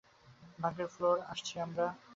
ভাগ্যের ফ্লোর, আসছি আমরা।